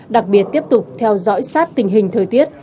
đặc biệt tiếp tục theo dõi sát tình hình thời tiết